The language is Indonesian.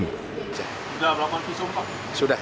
sudah melakukan visum pak